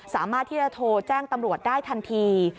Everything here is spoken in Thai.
สามารถที่จะโทรแจ้งตำรวจได้ทันที